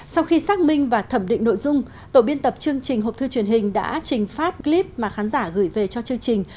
sau khi xác minh và thẩm định nội dung tổ biên tập chương trình hộp thư truyền hình đã trình phát clip mà khán giả gửi về cho chương trình